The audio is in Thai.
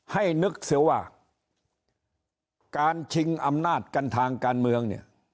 ให้นึกเสียว่าการชิงอำนาจกันทางการเมืองเนี่ย